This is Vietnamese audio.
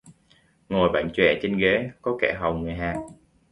Ngồi bảnh chọe trên ghế, có kẻ hầu người hạ